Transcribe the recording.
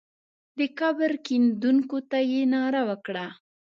د قبر کیندونکو ته یې ناره وکړه.